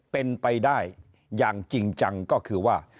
เป็นไปได้อย่างจริงจังก็คือว่า